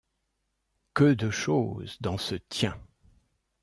Que de choses dans ce tiens !